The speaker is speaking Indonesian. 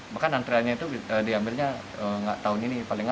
bahkan antreannya diambilnya tahun ini